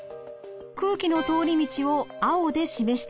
空気の通り道を青で示してみます。